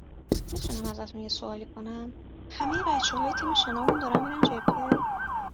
میتونم ازتون یه سوالی کنم همهی بچههای تیم شنامون دارن میرن جبهه